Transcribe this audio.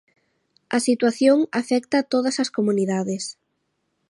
A situación afecta todas as comunidades.